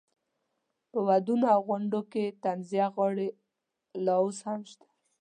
په ودونو او غونډو کې طنزیه غاړې لا اوس هم شته.